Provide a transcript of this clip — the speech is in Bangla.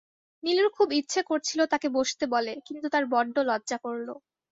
নীলুর খুব ইচ্ছে করছিল তাকে বসতে বলে, কিন্তু তার বড্ড লজ্জা করল।